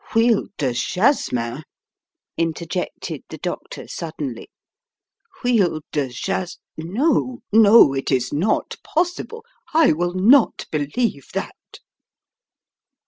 "Huile de Jasmin!" interjected the doctor sud denly. "Huile de Jas — no, 'no, it is not possible. I will not believe that."